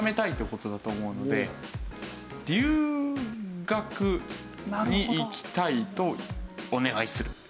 留学に行きたいとお願いする。